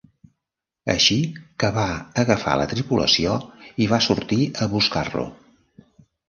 Així que va agafar la tripulació i va sortir a buscar-lo.